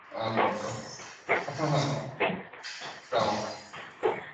El tema fue claramente ecologista, apuntando hacia el desarrollo sostenible.